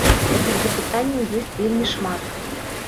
Такіх запытанняў ёсць вельмі шмат.